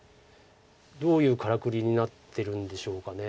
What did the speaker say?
どういうからくりになってるんでしょうか。